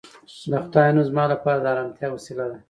د خدای نوم زما لپاره د ارامتیا وسیله ده